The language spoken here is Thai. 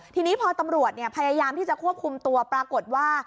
ทีนี้พอตำรวจพยายามที่จะควบคุมตัวปรากฏว่า